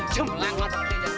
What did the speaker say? jemlang waktu ini aja